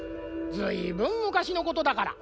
ずいぶんむかしのことだから。